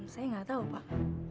saya gak tahu pak